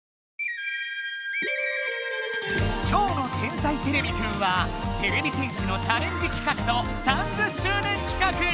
今日の「天才てれびくん」はてれび戦士のチャレンジ企画と３０周年企画。